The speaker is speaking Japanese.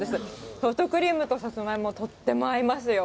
ソフトクリームとさつまいも、とっても合いますよ。